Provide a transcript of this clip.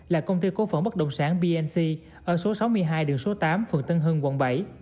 là công ty cố phận bất động sản bnc ở số sáu mươi hai điều số tám phường tân hưng quận bảy